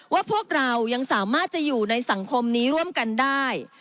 ว่าพวกเรายังสามารถจะอยู่ในสังคมนี้ร่วมกันได้